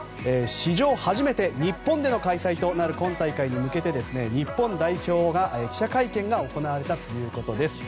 史上初めて日本での開催となる今大会に向けて日本代表の記者会見が行われたということです。